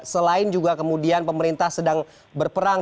selain juga kemudian pemerintah sedang berperang